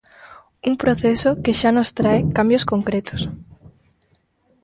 Un proceso que xa nos trae cambios concretos.